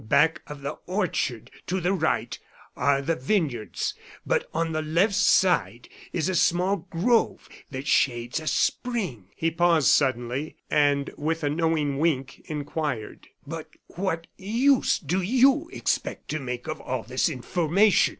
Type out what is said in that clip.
Back of the orchard, to the right, are the vineyards; but on the left side is a small grove that shades a spring." He paused suddenly, and with a knowing wink, inquired: "But what use do you expect to make of all this information?"